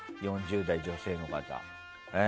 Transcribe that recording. ４０代女性の方。